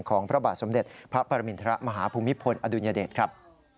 พระบาทสมเด็จพระปรมินทรมาฮภูมิพลอดุลยเดชครับ